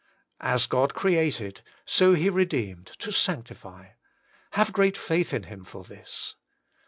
5. As God created, to He redeemed, to sanctify. Have great faith in Him for this.